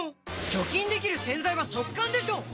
除菌できる洗剤は速乾でしょ！